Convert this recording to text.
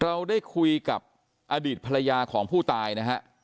เราได้คุยกับอดีตภรรยาของผู้ตายนะฮะ